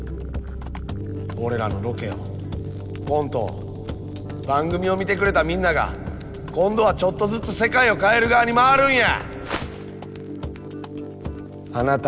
俺らのロケをコントを番組を見てくれたみんなが今度はちょっとずつ世界を変える側に回るんや！